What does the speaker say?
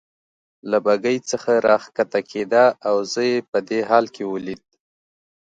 له بګۍ څخه راکښته کېده او زه یې په دې حال کې ولید.